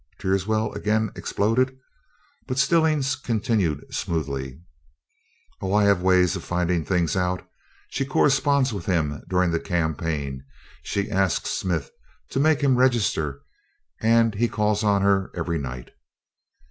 Teerswell again exploded. But Stillings continued smoothly: "Oh, I have ways of finding things out. She corresponds with him during the campaign; she asks Smith to make him Register; and he calls on her every night."